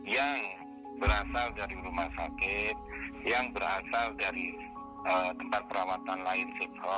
yang berasal dari rumah sakit yang berasal dari tempat perawatan lain